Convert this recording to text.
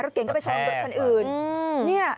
รถเก่งก็ไปชนรถอีกครั้งอื่น